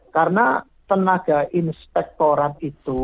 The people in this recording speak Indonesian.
karena tenaga inspektorat itu